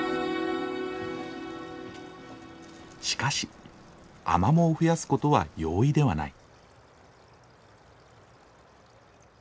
しかしアマモを増やすことは容易ではない。